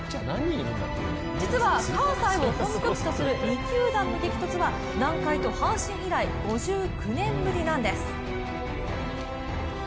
実は関西を本拠地とする２球団の激突は南海と阪神以来、５９年ぶりなんです。